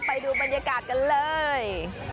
ไปดูบรรยากาศกันเลย